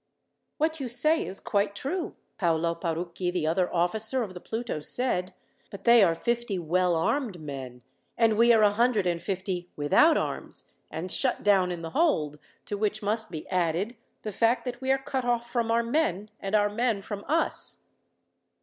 "What you say is quite true," Paolo Parucchi, the other officer of the Pluto, said; "but they are fifty well armed men, and we are a hundred and fifty without arms, and shut down in the hold, to which must be added the fact that we are cut off from our men, and our men from us.